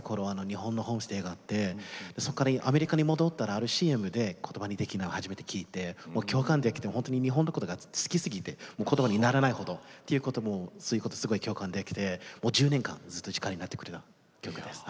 日本のホームステイがあってそこからアメリカに戻ったらあるＣＭで「言葉にできない」を初めて聴いて共感できて本当に日本のことが好きすぎて言葉にならないほどということもすごく共感できて１０年間ずっと力になってくれた曲です。